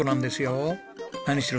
何しろ